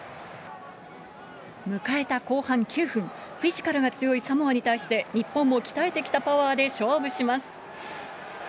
迎えた後半９分、フィジカルが強いサモアに対して、日本も鍛えてきたパワーで勝負します。